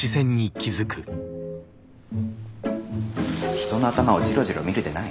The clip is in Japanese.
人の頭をじろじろ見るでない。